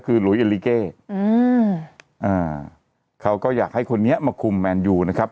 คือหลุยเอลิเกอืมอ่าเขาก็อยากให้คนนี้มาคุมแมนยูนะครับ